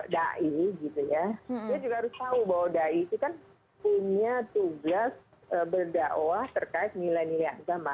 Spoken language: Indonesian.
da'i gitu ya dia juga harus tahu bahwa da'i itu kan punya tugas berda'wah terkait nilai nilai agama